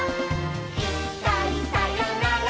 「いっかいさよなら